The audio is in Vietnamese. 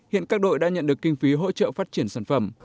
hiện các đội đã nhận được kinh phí hỗ trợ phát triển sản phẩm